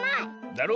だろ？